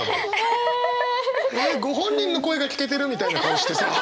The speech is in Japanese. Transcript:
えっご本人の声が聞けてるみたいな顔してさ。